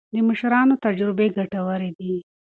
د مشرانو تجربې ګټورې دي.